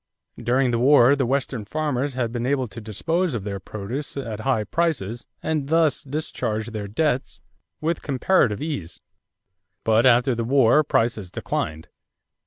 During the war, the Western farmers had been able to dispose of their produce at high prices and thus discharge their debts with comparative ease; but after the war prices declined.